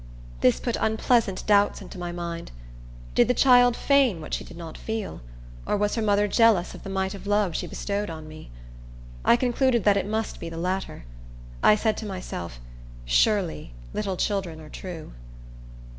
This put unpleasant doubts into my mind. Did the child feign what she did not feel? or was her mother jealous of the mite of love she bestowed on me? I concluded it must be the latter. I said to myself, "Surely, little children are true."